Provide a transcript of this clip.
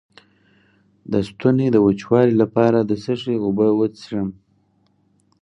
د ستوني د وچوالي لپاره د څه شي اوبه وڅښم؟